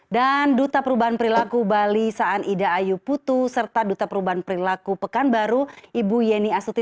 dan duta perubahan perilaku bali saan ida ayu putu serta duta perubahan perilaku pekanbaru ibu yeni asuti